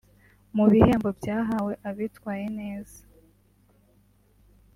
Mu bihembo byahawe abitwaye neza